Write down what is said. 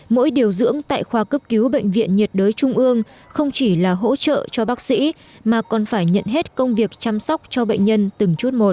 mỗi điều dưỡng tại khoa cấp cứu bệnh viện nhiệt đới trung ương không chỉ là hỗ trợ cho bác sĩ mà còn phải nhận hết công việc chăm sóc cho bệnh nhân từng chút một